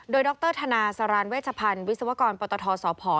โดยดรธนาสารเวชพันธ์วิศวกรปตทสพ